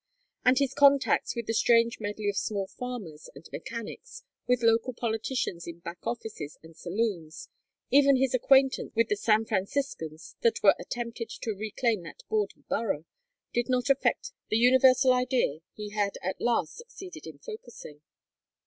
And his contacts with the strange medley of small farmers and mechanics, with local politicians in back offices and saloons, even his acquaintance with the San Franciscans that were attempting to reclaim that bawdy borough, did not affect the universal idea he had at last succeeded in focussing.